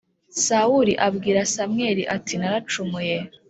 Sawuli Abwira Samweli Ati Naracumuye